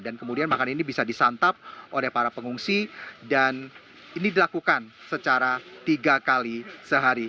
dan kemudian makanan ini bisa disantap oleh para pengungsi dan ini dilakukan secara tiga kali sehari